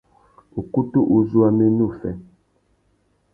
Ukutu uzu a mú ena uffê.